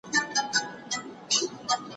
كه كېدل په پاچهي كي يې ظلمونه